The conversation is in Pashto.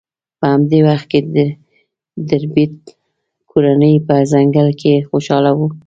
په همدې وخت کې د ربیټ کورنۍ په ځنګل کې خوشحاله وه